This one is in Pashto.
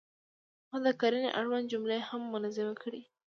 ما د کرنې اړوند جملې هم منظمې کړې.